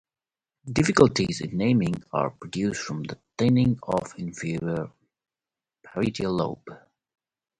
Difficulties in naming are produced from the thinning of the inferior parietal lobe.